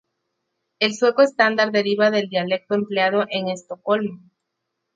El sueco estándar deriva del dialecto empleado en Estocolmo.